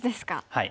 はい。